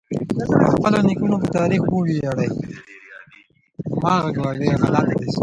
د خپلو نیکونو په تاریخ وویاړئ.